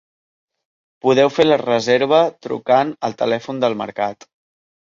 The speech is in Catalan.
Podeu fer la reserva trucant al telèfon del mercat.